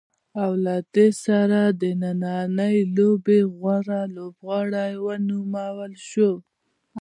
او له دې سره د نننۍ لوبې غوره لوبغاړی ونومول شو.